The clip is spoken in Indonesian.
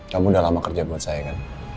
kamu udah lama kerja buat saya kan